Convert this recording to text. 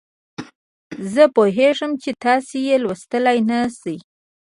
زه پوهیږم چې تاسې یې لوستلای نه شئ.